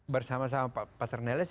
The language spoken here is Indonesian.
bersama sama pak neleste